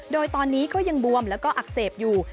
โดยตอนนี้ก็ยังบวมแล้วก็อักเสบอยู่